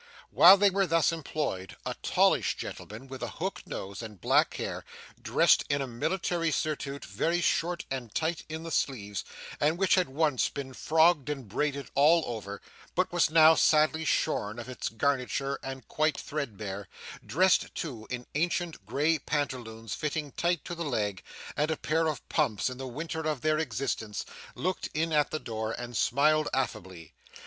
While they were thus employed, a tallish gentleman with a hook nose and black hair, dressed in a military surtout very short and tight in the sleeves, and which had once been frogged and braided all over, but was now sadly shorn of its garniture and quite threadbare dressed too in ancient grey pantaloons fitting tight to the leg, and a pair of pumps in the winter of their existence looked in at the door and smiled affably.